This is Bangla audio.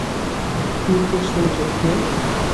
বিদ্যুৎ সংযোগ, হ্যা।